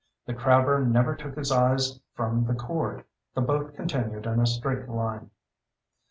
The crabber never took his eyes from the cord. The boat continued in a straight line.